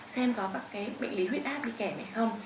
xem có các bệnh lý huyết áp đi kẻm hay không